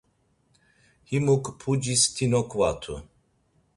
Himuk pucis ti noǩvatu.